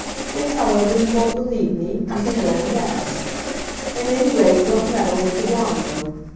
If, however, you won't believe me, you can go and ask. At any rate, don't meddle with the guano.